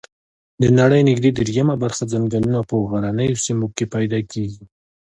د نړۍ نږدي دریمه برخه ځنګلونه په غرنیو سیمو کې پیدا کیږي